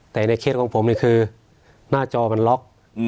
แต่ในเคสของผมนี่คือหน้าจอมันล็อก